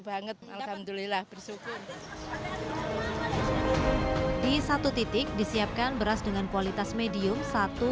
banget alhamdulillah bersyukur di satu titik disiapkan beras dengan kualitas medium satu